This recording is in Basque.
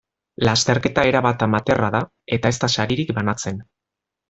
Lasterketa erabat amateurra da eta ez da saririk banatzen.